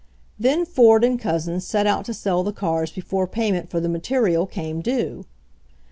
Then Ford and Couzens set out to sell the cars before payment for the material came due.